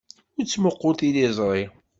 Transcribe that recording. Ur ttmuqqul tiliẓri.